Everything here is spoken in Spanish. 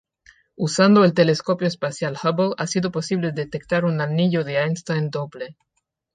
Usando el Telescopio espacial Hubble ha sido posible detectar un anillo de Einstein doble.